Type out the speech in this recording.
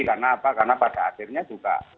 karena pada akhirnya juga